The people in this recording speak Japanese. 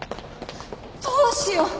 どうしよう！